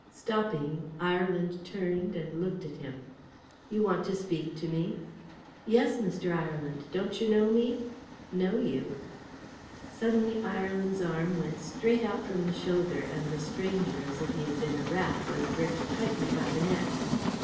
Stopping, Ireland turned and looked at him. "You want to speak to me?" "Yes, Mr. Ireland; don't yer know me?" "Know you?" Suddenly Ireland's arm went out straight from the shoulder, and the stranger, as if he had been a rat, was gripped tightly by the neck.